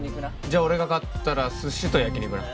じゃあ俺が勝ったら寿司と焼き肉な